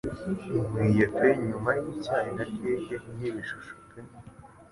Nkwiye pe nyuma yicyayi na keke nibishusho pe